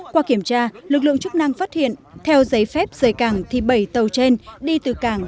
qua kiểm tra lực lượng chức năng phát hiện theo giấy phép rời cảng thì bảy tàu trên đi từ cảng